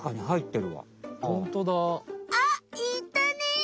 あっいたね！